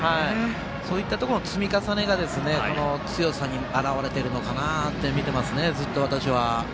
そういったところの積み重ねが強さに表れているのかなと見ていますね、ずっと私は。